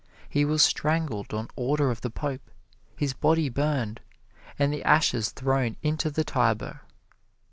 He was strangled on order of the Pope, his body burned, and the ashes thrown into the Tiber.